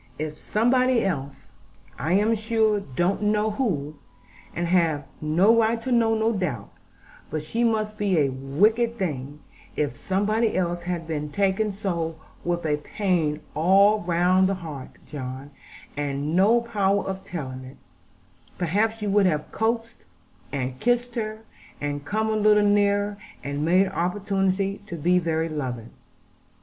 If somebody else I am sure I don't know who, and have no right to know, no doubt, but she must be a wicked thing if somebody else had been taken so with a pain all round the heart, John, and no power of telling it, perhaps you would have coaxed, and kissed her, and come a little nearer, and made opportunity to be very loving.'